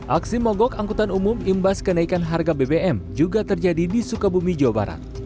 aksi mogok angkutan umum imbas kenaikan harga bbm juga terjadi di sukabumi jawa barat